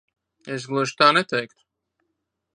Es gluži tā neteiktu.